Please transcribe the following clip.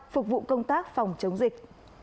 phục vụ công tác phòng chống dịch